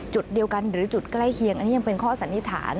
จุดเดียวกันหรือจุดใกล้เคียงอันนี้ยังเป็นข้อสันนิษฐาน